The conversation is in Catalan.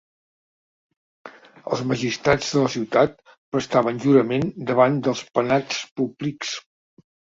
Els magistrats de la ciutat prestaven jurament davant dels Penats públics.